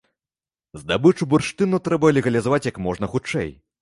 Здабычу бурштыну трэба легалізаваць як можна хутчэй.